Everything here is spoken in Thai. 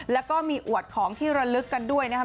แล้วก็มีอวดของที่ระลึกกันด้วยนะครับ